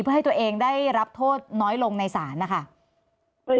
เพื่อให้ตัวเองได้รับโทษน้อยลงในศาลนะคะ